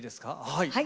はい。